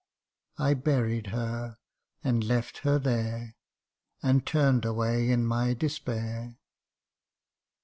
I buried her, and left her there ; And turn'd away in my despair.